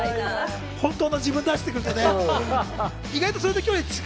本当の自分を出してくるっていうね。